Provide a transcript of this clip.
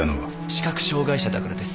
視覚障害者だからです。